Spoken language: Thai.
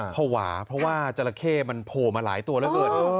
เพราะว่าเพราะว่าเจ้าระเข้มันโผล่มาหลายตัวแล้วกัน